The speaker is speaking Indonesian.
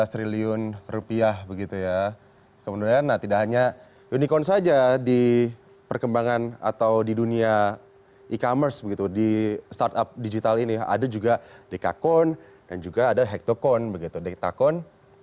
dua belas triliun rupiah begitu ya kemudian tidak hanya unicorn saja di perkembangan atau di dunia e commerce begitu di startup digital ini ada juga dekakon dan juga ada hektocorn begitu dektakon